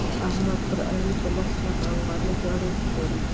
احمد پر علي په لس لکه افغانۍ ګاډي وپلوره.